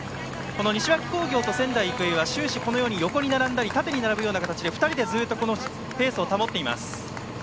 西脇工業と仙台育英は終始、横に並んだり縦に並ぶ形で２人でずっとこのペースを保っています。